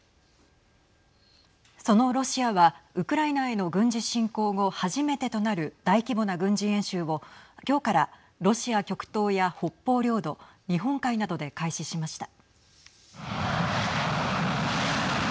そのロシアはウクライナへの軍事侵攻後初めてとなる大規模な軍事演習を今日から、ロシア極東や北方領土日本海などで開始しました。